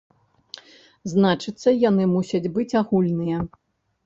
Значыцца, яны мусяць быць агульныя.